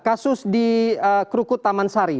kasus di krukut taman sari